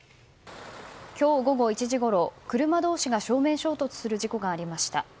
今日午後１時ごろ、車同士が正面衝突する事故がありました。